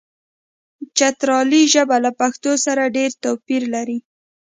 چترالي ژبه له پښتو سره ډېر توپیر لري.